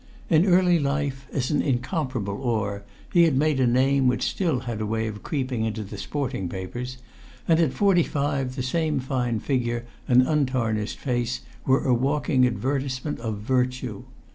In early life, as an incomparable oar, he had made a name which still had a way of creeping into the sporting papers; and at forty the same fine figure and untarnished face were a walking advertisement of virtue.